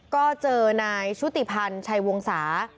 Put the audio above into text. ก็เจอนายชุติพันธ์ชัยวงศา